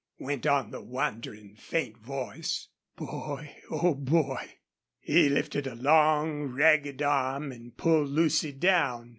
went on the wondering, faint voice. "Boy oh boy!" He lifted a long, ragged arm and pulled Lucy down.